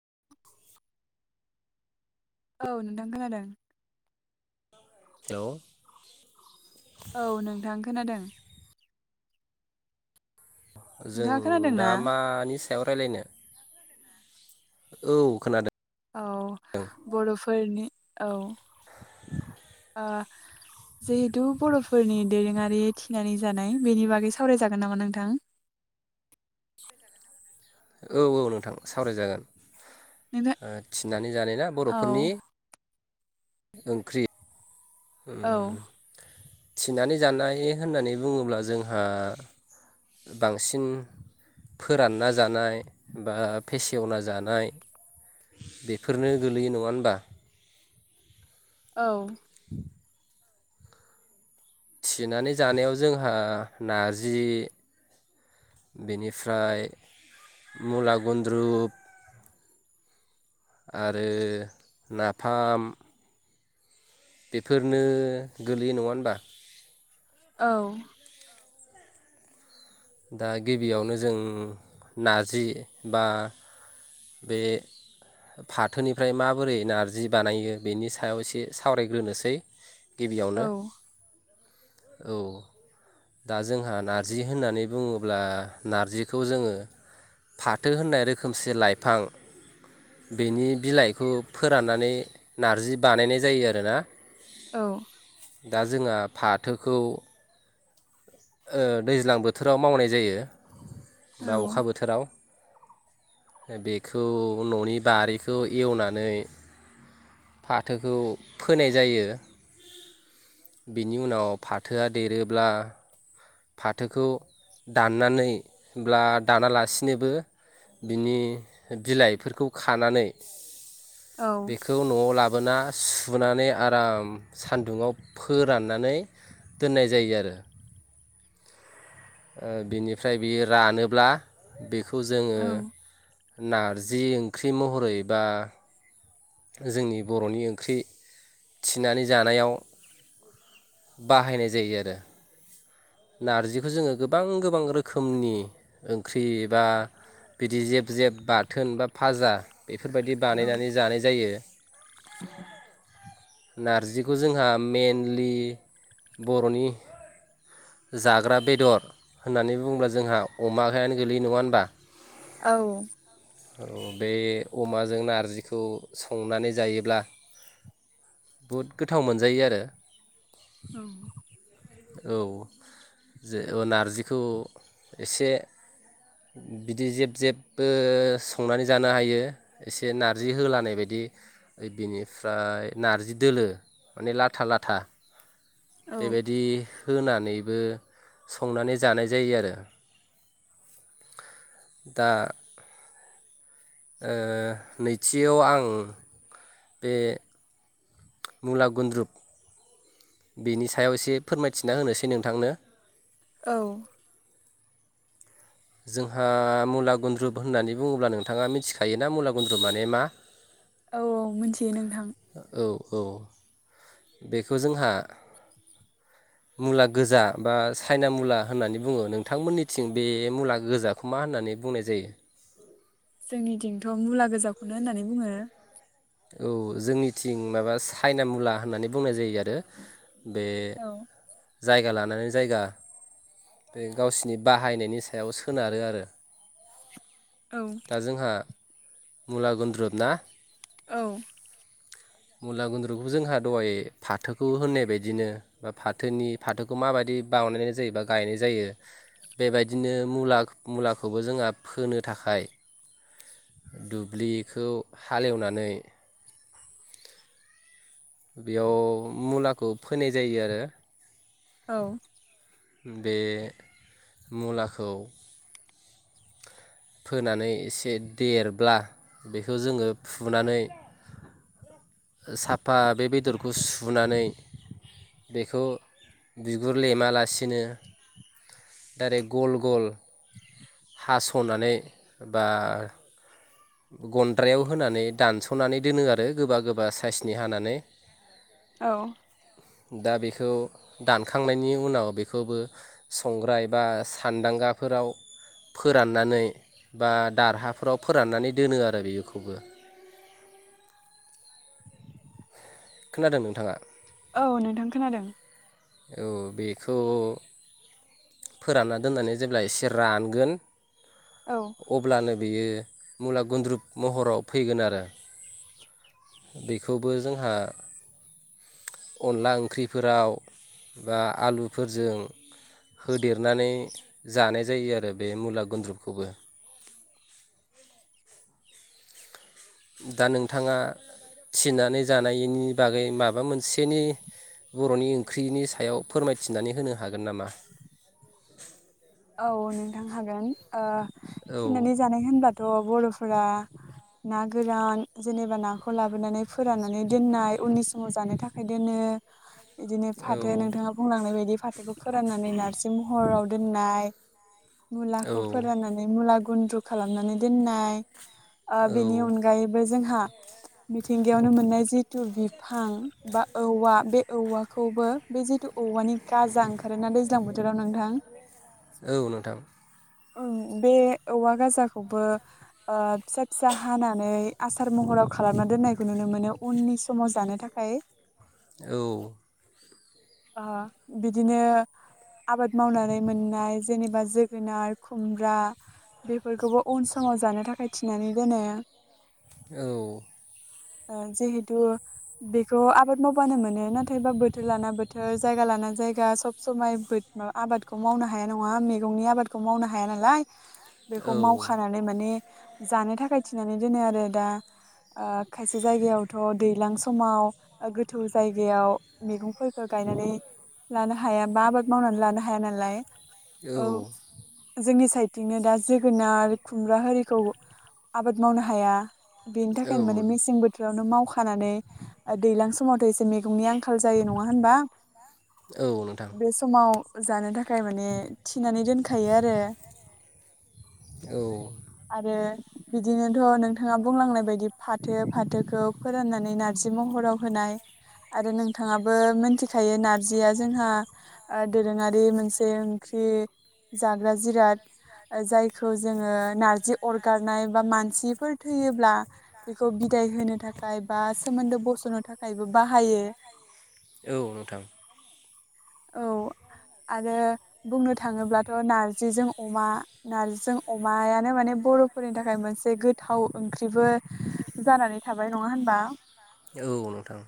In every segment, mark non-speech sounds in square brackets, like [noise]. [inaudible] औ नोंथां खोनादों। लौ औ नोंथां खोनादों। जों नोंथाङा खोनादों ना दा मानि सा सायावरायलायनो? औ खोनादों। औ बर'फोरनि औ। [unintelligible] ओ जिहेथु बर'फोरनि दोरोङारि थिनानै जानाय बेनि बागै सावरायजागोन नामा नोंथां? औ औ नोंथां सावरायजागोन। नोंथां ओ थिनानै जानाय ना औ बर'फोरनि ओंख्रि औ ओम थिनानै जानाय होननानै बुङोब्ला जोंहा बांसिन फोरानना जानाय बा फेसेवना जानाय बेफोरनो गोलैयो नङा होनबा? औ। [unintelligible] थिनानै जानायाव जोंहा नारजि बेनिफ्राय मुला गुन्द्रुप आरो नाफाम बेफोरनो गोलैयो नङा होनबा? औ। दा गिबियावनो जों नारजि बा बे फाथोनिफ्राय माबोरै नारजि बानायो बेनि सायाव एसे सावरायग्रोनोसै। औ गिबियावनो। औ दा जोंहा नारजि होननानै बुङोब्ला नारजिखौ जोङो फाथो होननाय रोखोमसे लाय फां बेनि बिलाइखौ फोराननानै नार्जि बानायनाय जायो आरोना। औ। दा जोंहा फाथोखौ ओ दैज्लां बोथोराव मावनाय जायो। औ बा अखा बोथोराव। बेखौ न'नि बारिखौ एवनानै फाथोखौ फोनाय जायो। बिनि उनाव फाथोआ देरोब्ला फाथोखौ दाननानै ब्ला दानालासिनोबो बिनि बिलाइफोरखौ खानानै औ बेखौ नआव लाब बोना सुनानै आराम सानदुंआव फोराननानै दोननाय जायो आरो। ओ बिनिफ्राय बियो रानोब्ला बेख खौ जोङो नारजि ओंख्रि महरै बा जोंनि बर'नि ओंख्रि थिनानै जानायाव बाहायनाय जायो आरो। नारजिखौ जोङो गोबां गोबां रोखोमनि ओंख्रि बा बिदि जेब जेब बाथोन बा फाजा बेफोरबायदि बानायनानै जानाय जायो। लांदां लांदां नारजिखौ जोंहा मइेनलि बर'नि जाग्रा बेदर होननानै बुङोब्ला जोंहा अमायानो गोलैयो नङा होनबा? औ। औ बे अमाजों नारजिखौ संनानै जायोब्ला बहुद गोथाव मोनजायो आरो। औ। औ। जे ओ नारजिखौ एसे बिदि जेब जेबबो संनानै जानो हायो एसे नार्जि होलानाय बायदि बिनिफ्राय नार्जि दोलो माने लाथा लाथा औ बेबायदि होनानै बो संनानै जानाय जायो आरो। दा ओ नैथियाव आं बे मुला गुन्द्रुुब बेनि सायाव एसे फोरमायथिना होनोसै नोंथांनो। औ जोंहा मुला गुन्द्रुुब होननानै बुङोब्ला नोंथाङा मिथिखायोना मुला गुन्द्रु माने मा? औ औ मोनथियो नोंथां। औ औ बेखौ जोंहा मुला गोजा बा चायना मुला होननानै बुङो नोंथांमोननिथिं बे मुला गोजाखौ मा होननानै बुंनाय जायो। जोंनि थिंथ मुला गोजाखौनो होननानै बुङो। औ जोंनिथिं माबा चाइना मुला होननानै बुंनाय जायो आरो। बे औ जायगा लान नानै जायगा बे गावसिनि बाहायनायनि सायाव सोनारो आरो। औ दा जोंहा मुला गन्द्रुब ना। औ। मुला गुन्द्रुखौ जोंहा दहाय फाथोखौ होननाय बायदिनो बा फाथोनि फाथोखौ माबायदि बावानायनाय जायो बा गायनाय जायो बेबायदिनो मुला मुलाखौबो जोंहा फोनो थाखाय दुब्लिखौ हालेवनानै बेयाव मुलाखौ फोनाय जायो आरो। औ। ओम बे मुलाखौ फोनानै एसे देरब्ला बेखौ जोङो फुनानै साफा बे बेदरखौ सुनानै बेखौ बिगुर लेमालासिनो दाइरेक गल गल हास'नानै बा गन्द्रायाव होनानै दानस'नानै दोनो आरो गोबा गोबा साइसनि हानानै। औ। दा बेखौ दानखांनायनि उनाव बेखौबो संग्राय बा सान्दांगाफोराव फोराननानै बा दारहाफोराव फोराननानै दोनो आरो बेखौबो। खोनादों नोंथाङा? औ नोंथां खोनादों। औ बेखौ फोरानना दोननानै जेब्ला एसे रानगोन औ अब्लानो बेयो मुला गुन्द्रुुब महराव फैगोन आरो। [inaudible] बेख खौबो जोंहा अनला ओंख्रिफोराव बा आलुफोरजों होदेरनानै जानाय जायो आरो बे मुला गुन्द्रुुखौबो दा नोंथाङा थिनानै जानायनि बागै माबा मोनसेनि बर'नि ओंख्रिनि सायाव फोरमायथिनानै होनो हागोन नामा? औ नोंथां हागोन ओ औ थिनानै जानाय होनबाथ' बर' फोर ना गोरान जेनेबा नाखौ लाबोनानै फोराननानै दोननाय उननि समाव जानो थाखाय दोनो। बिदिनो औ फाथो नोंथाङा बुंलांनाय बायदि बेखौ फोराननानै नार्जि महराव दोननाय। [inaudible] औ मुलाखौ फोराननानै मुला गुन्द्रु खालामनानै दोननाय ओ बेनि औ अनगायैबो जोंहा मिथिंगायावनो मोननाय जिथु बिफां बा औवा बे औवाखौबो बे जिथु औवानि गाजा ओंखारोना दैज्लां बोथोराव नोंथां औ नोंथां ओम बे औवा गाजाखौबो फिसा फिसा हानानै आसार महराव खालामना दोननायखौ नुनो मोनो उननि समाव जानो थाखाय। औ ओ बिदिनो आबाद मावनानै मोननाय जेनेबा जोगोनार खुमब्रा बेफोरखौबो उन समाव जानो थाखाय थिनानै दोनो। औ ओ जिहेथु बेखौ आबाद मावबानो मोनो नाथायबा बोथोर लाना बोथो बोथोर जायगा लाना जायगा सब समाय माबा आबादखौ मावनो हाया नङा मैगंनि आबादखौ मावनो हाया नालाय। औ बेखौ मावखानानै माने जानो थाखाय थिनानै दोनो आरो दा ओ खायसे जायगायावथ' दैज्लां समाव गोथौ जायगायाव मैगं गायनानै लानो हाया बा आबाद मावनानै लानो हाया नालाय। [inaudible] औ जोंनि साइथिंनो दा जोगोनार खुमब्रा आरिखौ आबाद मावनो हाया। बेनि औ थाखायनो माने मेसें बोथोरावनो माव खानानै दैलां समावथ एसे मैनि आंखाल जा नङा होनबा औ नोंथां बे समाव जानो थाखाय माने थिनानै दोनखायो आरो औ आरो बिदिनोथ' नोंथाङा बुंलांनाय बायदि फाथो फाथोखौ फोराननानै नारजि महराव होनाय आरो नोंथाङा बो मिथिखायो नार्जिया जोंहा दोरोङारि मोनसे ओंख्रि जाग्रा जिराद जायखौ जोङो नारजि अरगारनाय बा मानसिफोर थैयोब्ला बेखौ बिदाय होनो थाखाय बा सोमोन्दो बसनो थाखायबो बाहायो। औ नोंथां औ आरो बुंनो थाङोब्लाथ नारजिजों अमा नार्जिजों अमायानो माने बर'फोरनि थाखाय मोनसे गोथाव ओंख्रिबो जानानै थाबाय नङा होनबा? औ नोंथां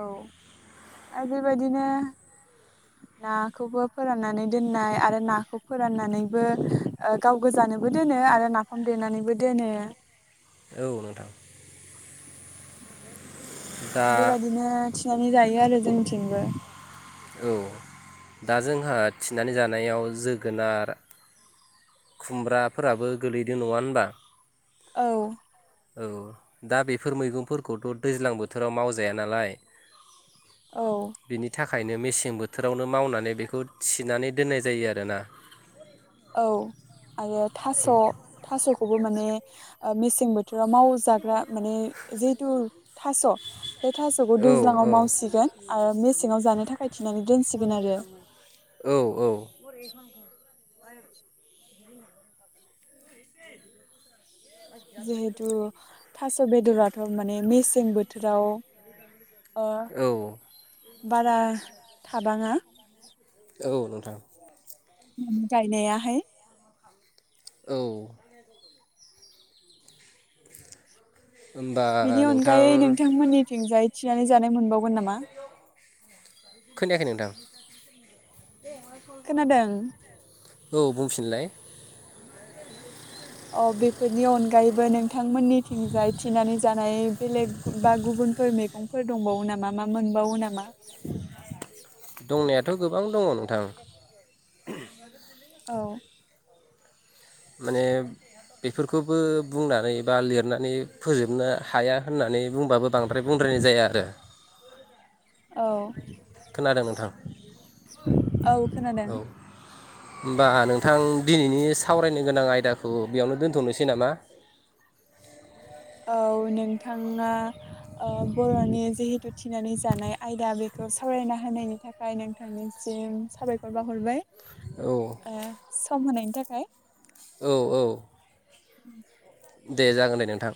औ आरो बेबायदिनो नाखौबो फोराननानै दोननाय आरो नाखौ फोराननानैबो ओ गाव गोजानोबो दोनो आरो नाफाम देनानैबो दोनो औ नोंथां। दा बेबायदिनो नि जायो आरो जोंनिथिंबो। औ दा जोंहा थिनानै जानायाव जोगोनार खुमब्राफोराबो गोलैदों नङा होनबा? औ। औ दा बेफोर मैगंफोरखौथ दैज्लां बोथोराव मावजाया नालाय। औ। बिनि थाखायनो मेसें बोथोरावनो मावनानै बेखौ थिनानै दोननाय जायो आरोना। औ आरो थास' थासखौबो माने ओ मेसें बोथोराव माव जाग्रा माने जिहेतु थास बे थासखौ औ दैज्लाङाव मावसिगोन आरो मेसेङाव जानो थाखाय थिनानै दोनसिगोन आरो। औ [inaudible] [inaudible] जिहेतु थास बेदराथ माने मेसें बोथोराव ओ औ। बारा थाबाङा। औ नोंथां। गायनायाहाय। औ। होमबा बिनि नोंथां अनगायै नोंथांमोननिथिंजाय थिनानै जानाय मोनबावगोन नामा? खोनायाखैनो नोंथां? खोनादों [inaudible] औ बुंफिनलाय। अ बेफोरनि अनगायैबो नोंथांमोननिथिंजाय थिनानै जानाय बेलेग बा गुबुनफोर मैगंफोर दंबावो नामा मा मोनबावो नामा? दंनायाथ' गोबां दङ नोंथां। औ। माने बेफोरखौबो बुंनानै बा लिरनानै फोजोबनो हाया होननानै बुंबाबो बांद्राय बुंद्रायनाय जाया आरो। औ खोनादों नोंथां औ खोनादों। औ होमबा नोंथां दिनैनि सावरायनो गोनां आयदाखौ बेयावनो दोन्थ'नोसै नामा। औ नोंथाङा ओ बर'नि जिहेतु थिनानै जानाय आयदा बेखौ सावरायना होनायनि थाखाय नोंथांनिसिम साबायखर बाहरबाय। औ आ। सम होनायनि थाखाय। औ औ। [inaudible] दे जागोन दे नोंथां।